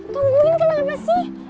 tungguin kenapa sih